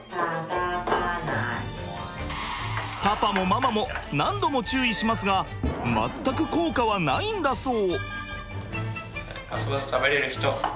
パパもママも何度も注意しますが全く効果はないんだそう。